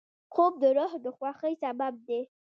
خوب د روح د خوښۍ سبب دی